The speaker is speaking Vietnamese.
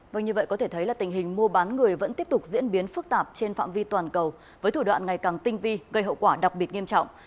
vâng như vậy có thể thấy là tình hình mua bán người vẫn tiếp tục diễn biến phức tạp trên phạm vi toàn cầu với thủ đoạn ngày càng tinh vi gây hậu quả đặc biệt nghiêm trọng